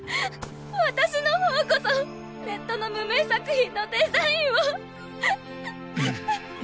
私のほうこそネットの無名作品のデザインを。